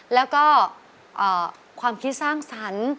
แล้วก็ความคิดสร้างสรรค์